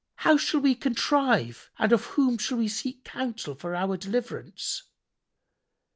How shall we contrive and of whom shall we seek counsel for our deliverance?"